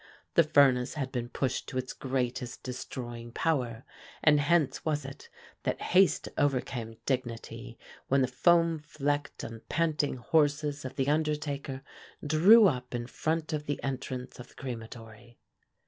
The furnace had been pushed to its greatest destroying power, and hence was it that haste overcame dignity when the foam flecked and panting horses of the undertaker drew up in front of the entrance of the crematory.